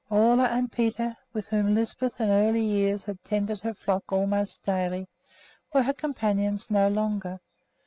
Ole and Peter, with whom Lisbeth in earlier years had tended her flock almost daily, were her companions no longer.